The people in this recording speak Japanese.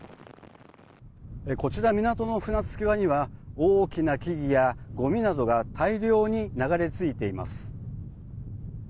こちら港の船着き場には大きな木々や、ごみなどが大量に流れ着いています。